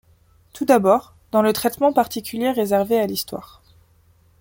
Tout d'abord, dans le traitement particulier réservé à l'histoire.